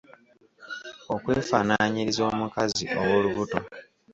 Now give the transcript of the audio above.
Okwefaanaanyiriza omukazi ow’olubuto.